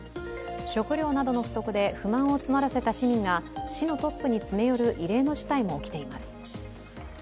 食料などの不足で不満を募らせた市民が市のトップに詰め寄る異例の事態も起きています。